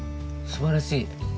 すばらしい。